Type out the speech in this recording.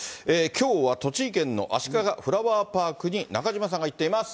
きょうは栃木県のあしかがフラワーパークに中島さんが行っています。